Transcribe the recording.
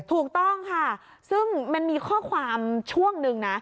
ถูกต้องค่ะซึ่งมันมีข้อความช่วงหนึ่งนะ